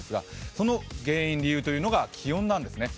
その原因、理由というのが気温なんですね。